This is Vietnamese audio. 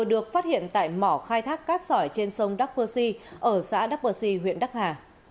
được phát hiện tại mỏ khai thác cát sỏi trên sông đắk phơ si ở xã đắk phơ si huyện đắk hà